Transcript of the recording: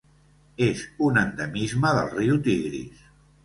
És un endemisme del riu Tigris.